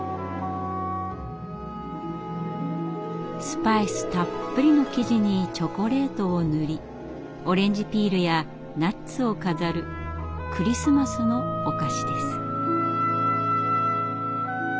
スパイスたっぷりの生地にチョコレートを塗りオレンジピールやナッツを飾るクリスマスのお菓子です。